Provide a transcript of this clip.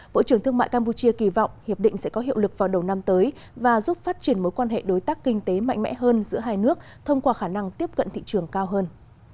bộ trưởng thương mại campuchia kỳ vọng hiệp định sẽ có hiệu lực vào đầu năm tới và giúp phát triển mối quan hệ đối tác kinh tế mạnh mẽ hơn giữa hai nước thông qua khả năng tiếp cận thị trường cao hơn